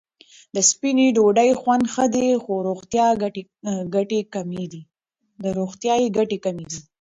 د سپینې ډوډۍ خوند ښه دی، خو روغتیايي ګټې کمې دي.